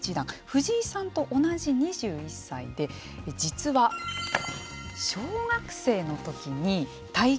藤井さんと同じ２１歳で実は、小学生の時に対局しているんですね。